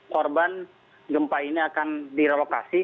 korban gempa ini akan direlokasi